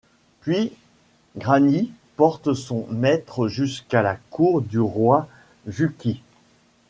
Puis Grani porte son maître jusqu'à la cour du roi Gjuki.